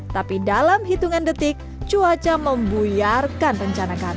tapi dalam hitungan detik cuaca membuyarkan rencanakan